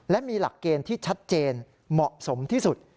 และมีหลักเกณฑ์ที่ชัดเจนเหมาะสมที่สุด